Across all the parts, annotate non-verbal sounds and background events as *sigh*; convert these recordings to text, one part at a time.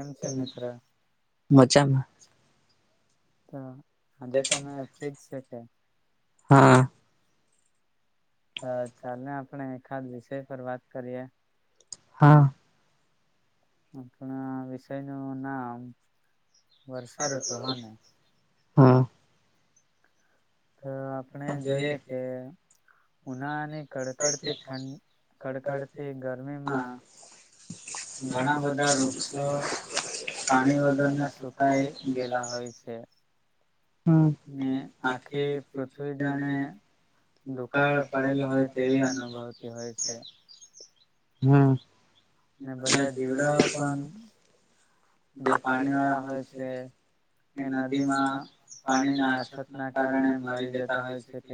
*inaudible* *inaudible* મજામાં. *inaudible* આજે તમે ફ્રીજ સે કે? હા. હા. આપણા વિષયનું નામ વર્ષાઋતુ હ ને. તો આપણે જોઈએ કે ઉનાળાની કડકડતી ઠંડ કડકડતી ગરમીમાં ઘણા બધા વૃક્ષો પાણી વગરના સુકાઈ ગયેલા હોય છે. હહ મેં આ થી પૃથ્વીજને દુકાળ પડેલી હોય તેવી અનુભવતી હોય છે હ. એજ એવડા ળ જે પાણી વાળા હોય છે એ નદીમાં પાણીના અસત ના કારણે મારી દેતા હોય છે કે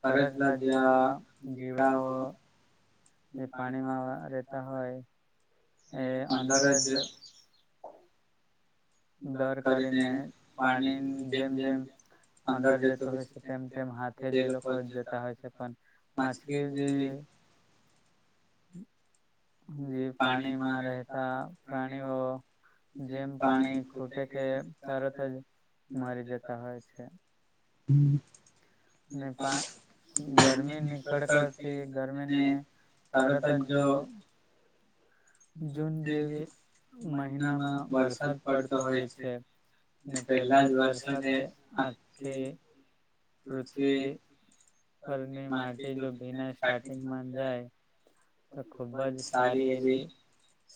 ફરજલા જે જીવડાઓ એ પાણીમાં રહેેતા હોય. એ અંદારજ દર કરીને પાણી જેમ જેમ અંદર જતું હોય છે તેમ તેમ હાથે જે લોકો જતા હોય છે. પણ માછલી જે હમ જે પાણીમાં રહેતા પ્રાણીઓ જેમ પાણી ફૂટે કે તરત જ મારી જતા હોય છે. હમ ગરમી નનીકળ કરતી ગરમીને તરત જ જો જૂન જેવી મહિનામાં વરસાદ પડતો હોય છે ને પહેલા જ વરસાદે આખી પૃથ્વી પરની માટી જો ભીના સ્ટાર્ટિંગમાં જાય તો ખુબ જ સારી એવી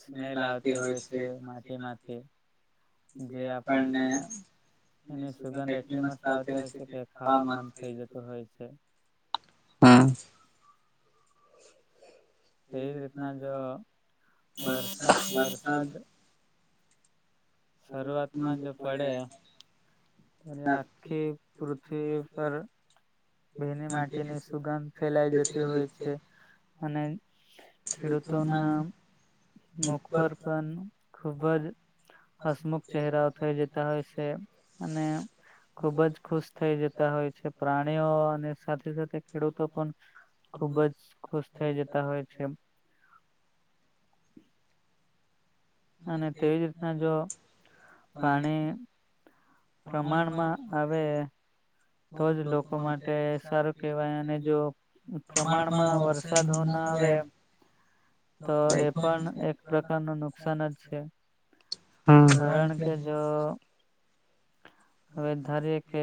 સ્મેલ આવતી હોય છે માટીમાંથી જે આપણને એની સુગંધ એટલી મસ્ત આવતી હોય છે કે ખાવા મન થઈ જતું હોય છે એ રીતના જો વરસાદ વરસાદ શરૂઆતમાં જો પડે અને આખી પૃથ્વી પર બેની માટીની સુગંધ ફેલાઈ જતી હોય છે અને ખેડૂતોના મુખ પર પણ ખુબ જ તા હોય છે ખુબ જ પુતા હોય છે પ્રાણી પ્રણી અને સાથે સાથે ખેડૂતો પણ ખુબ જ ખુશ થઈ જતા હોય છે અને તેવીજ રીતના જો પાણે પ્રમાણમાં આવે તો જ લોકો માટે સારું કહેવાય અને જો પ્રમાણમાં વરસાદ ના આવે તો એ પણ એક પ્રકારનું નુકસાન હ હવે ધારીએ કે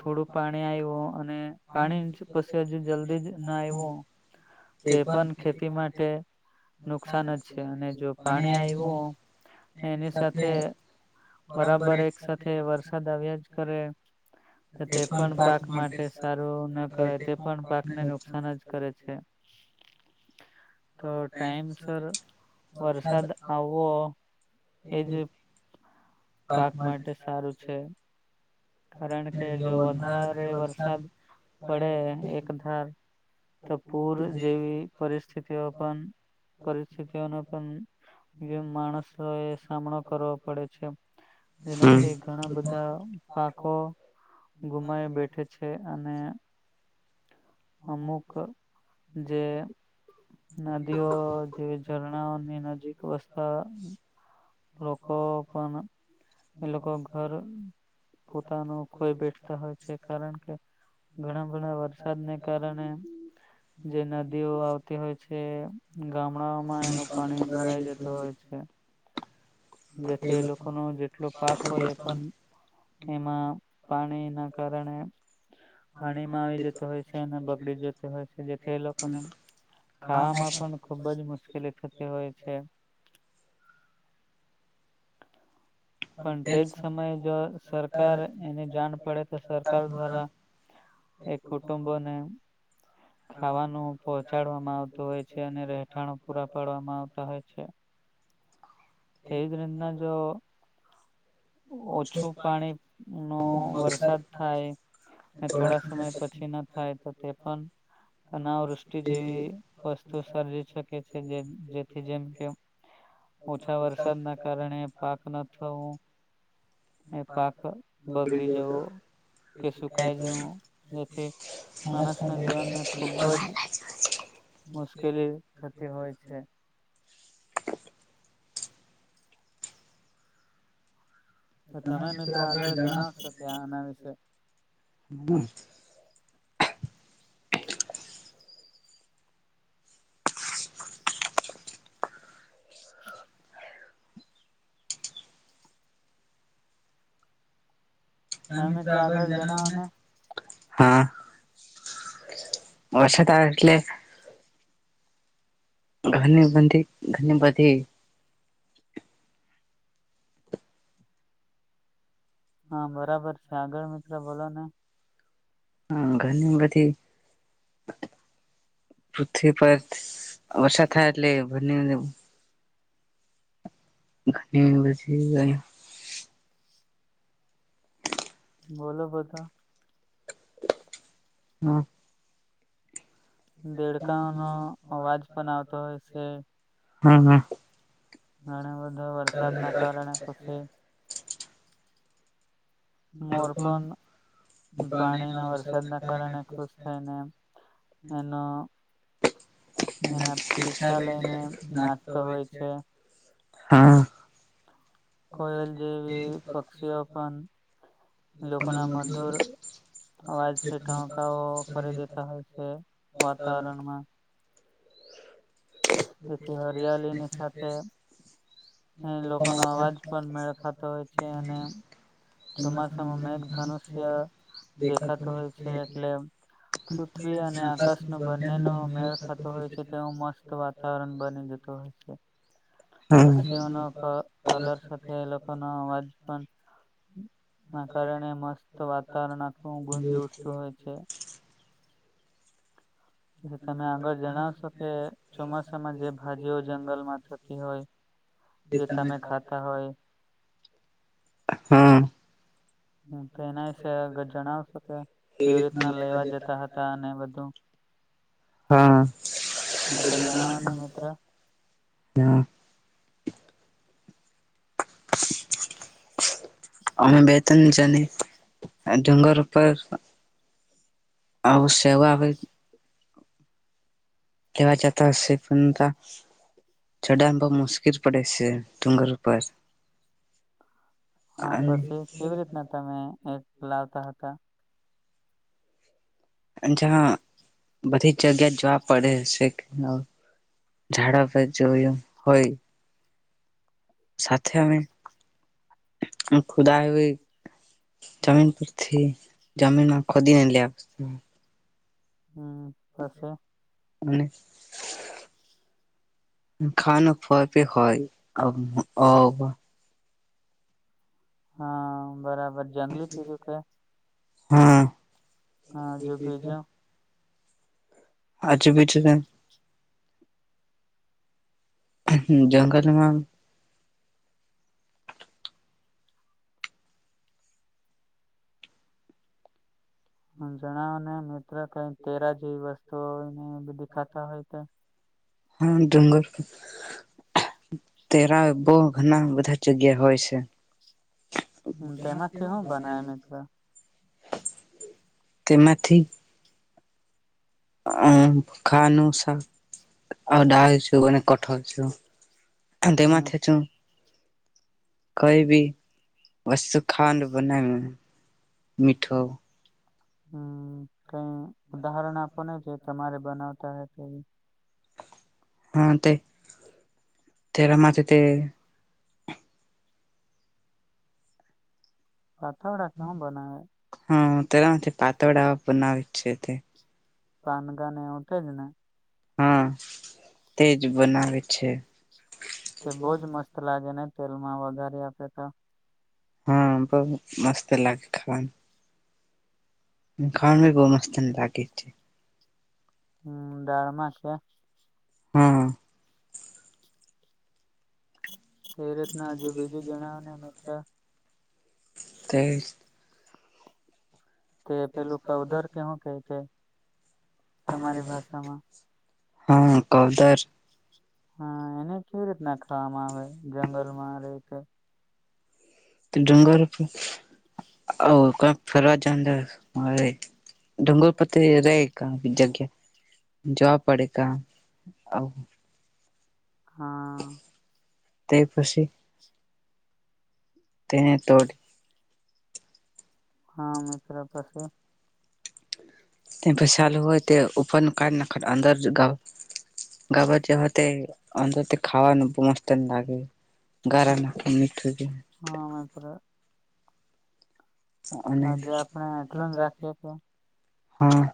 થોડું પાણી આવવું અને પાણી પછી હજુ જલ્દી જ ના આવવું તે પણ ખેતી માટે નુકસાન જ છે અને જો પાણી આવવું એની સાથે બરાબર એક કરે તો તે પણ પાક માટે સારું ના કહેવાય તે પણ પાકને નુકસાન જ કરે છે તો ટાઈમસર વરસાદ આવવો એજ પાક માટે સારું છે કારણ કે જો વધારે વરસાદ પડે એકધાર તો પૂર જેવી પરિસ્થિતિઓ પણ પરિસ્થિતિઓનો પણ માણસો એ સામનો કરવો પડે છે જેનાથી ઘણા બધા પાકો ગુમાય બેઠે છે અને અમુક જે નદીઓ જેવી ઝરણાની નજીક વસતા લોકો પણ એ લોકો ઘર પોતાનું ખોઈ બેઠતા હોય છે કારણ કે ઘણા ઘણા કારણે જે નદીઓ આવતી હોય છે ગામડાઓમાં એનું પાણી ભરાઈ જતું હોય છે જેથી લોકો ન જેટલો પાક હોય એ પણ એમાં પાણી ના કારણે પાણીમાં આવી જતો હોય છે અને બગડી જોતી હોય છે જેથી એ લોકોને ખાવામાં પણ ખુબ જ મુશ્કેલી થતી હોય છે પણ તેજ સમયે જો સરકાર એની જાણ પડે તો સરકાર દ્વારા એ કુટુંબોને ખાવાનું પહોંચાડવામાં આવતું હોય છે અને રહેઠાણું પૂરા પાડવામાં આવતા હોય છે *unintelligible* ઓછું પાણી નો વરસાદ થાય અને થોડા સમય પછી ના થાય તો તે પણ અનાવૃષ્ટિ જેવી વસ્તુ સર્જી શકે છે જેથી જેમ કે આ વરસાદના કારણે પાકના *unintelligible* *unintelligible* *unintelligible* હા હવે છે ને એટલે ઘણી બંધી ઘણી બધી હા બરાબર છે આગળ મિત્ર બોલો ને હા ઘણી બથી પૃથ્વી પર વરસાદ થાય એટલ *inaudible* *unintelligible* બોલો બધા હ દેડકા નો અવાજ પણ આવતો હોય છે હા હા ઘણા બધા વરસાદના કારણે પછી *unintelligible* હા કોયલ જેવી પક્ષીઓ પણ લોકોના મધુર અવાજથી કાઉ કાઉ કરી દેતા હોય છે વાતાવરણમાં પથી હરિયાલીની સાથે એ લોકોનો અવાજ પણ મેળ ખાતો હોય છે અને ચોમાસામાં મેઘ ધનુષ્ય દેખાતો હોય છે એટલે પૃથ્વી અને આકાશ ન બંને ન મેળ ખાતો હોય છે તેવ મસ્ત તો વાતાવરણ બની જતું હોય છે હા *inaudible* તમે આગળ જણાવશો કે તમે ખા હો હા જ એવી રીતના લેવા જતા હતા અને બધું હા *inaudible* હા અમે બે ત્રણ જને ડુંગર ઉપર આવું સેવા આવે લેવા જતા હશે પણ ચડમાં બહ મુશ્કેલ પડે છે ડુંગર ઉપર હા પછી એ કેવી રીતના તમે એક લવતા હ હતા *inaudible* બધી જગ્યા જવવુપડે હ ઝાડા પર જોયું હોય સાથે અમે ખુદ હય જમીન પથ જામીનમાં ખદીન લસ્ હ પાશે અને ખાવાો ફ પે હોયબ હા બરાબર વે જંગલી ચ એઓખે હા હા જોુબીજ હજ પીજું તો હ જમ કરનુંમાં હમ જણાવો ને મિત્ર હા જુંંગર *unintelligible* તેમાંથી શું બનાવે મિત્રો તેમાંથી હ ખાનનું સ હ ડાું અને કઠોું તેમાંથે છું કોઈ ભી વસ્તુ ખાંડ બના મીઠો હમ કઈ ઉદાહરણ આપણને છે તમારે બનાવતા હે તોી હા તે તેરામાંથી તે હા તેલામાંથી પાતળ પના વે છેે તે કાન ગાન એવું છેજ ને હા તેજ બનાવે છે. તે બો જ મસ્ત લાગે ને તેલમાં વ ગારી આપે ત હા બહ મસ્ત લાગે ખાવાનું ખાણ ભી બહુ મસ્ત લાગે *inaudible* હ ડાળમાંખ્યા હા એ રીતનાજુ બીજું જણાવ તે તે પેલું કવદર કેવું કે કે તમારી ભાષામાં હા કવદર હા એને કેવી રીત નાખાવામાં આવે જંગલ માં રે કે તો ડુંગર હ કોણ ફેરવા જજા હરે ડુંગરપતે રેય જગ્યા જવા પડેકા આ તે પછી તેને તોડી હા મિત્ર પછી *unintelligible* ચાલુ હોય તે ઉપર કાઢ નાખ અંદર *unintelligible* હો અંદર ખાવાનું મસ્ત લાગે *unintelligible* અને *unintelligible* હા